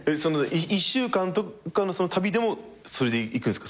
１週間とかの旅でもそれで行くんすか？